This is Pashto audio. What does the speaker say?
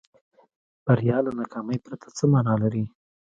بریا له ناکامۍ پرته څه معنا لري.